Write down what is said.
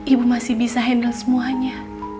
ibu masih bisa handle semuanya